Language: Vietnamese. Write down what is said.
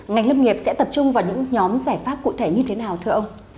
ngành lâm nghiệp sẽ tập trung vào những nhóm giải pháp cụ thể như thế nào thưa ông